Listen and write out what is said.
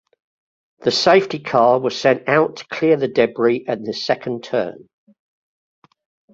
The safety car was sent out to clear the debris at the second turn.